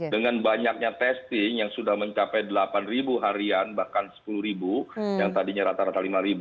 dengan banyaknya testing yang sudah mencapai delapan ribu harian bahkan sepuluh ribu yang tadinya rata rata lima ribu